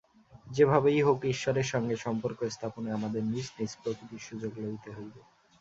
যে ভাবেই হউক, ঈশ্বরের সঙ্গে সম্পর্ক-স্থাপনে আমাদের নিজ নিজ প্রকৃতির সুযোগ লইতে হইবে।